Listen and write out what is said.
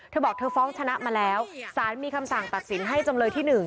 เธอบอกเธอฟ้องชนะมาแล้วสารมีคำสั่งตัดสินให้จำเลยที่๑